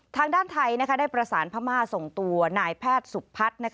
ทางด้านไทยได้ประสานพม่าส่งตัวนายแพทย์สุพัฒน์